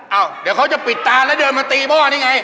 เอ้าเดี๋ยวเขาจะปิดตาแล้วเดินมาตีอันนี้ไง